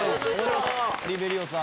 オリベリオさん